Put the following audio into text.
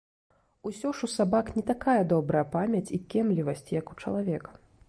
Усё ж у сабак не такая добрая памяць і кемлівасць, як у чалавека.